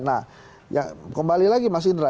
nah ya kembali lagi mas indra